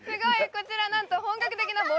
こちらなんと